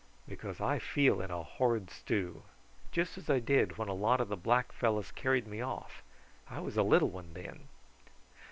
"Because I feel in a horrid stew, just as I did when a lot of the black fellows carried me off. I was a little one then."